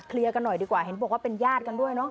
กันหน่อยดีกว่าเห็นบอกว่าเป็นญาติกันด้วยเนาะ